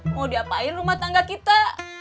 mau diapain rumah tangga kita